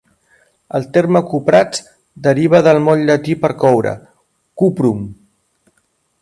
El terme cuprats deriva del mot llatí per coure, "cuprum".